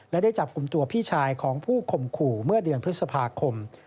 และได้จับกลุ่มตัวพี่ชายของผู้ข่มขู่เมื่อเดือนพฤษภาคม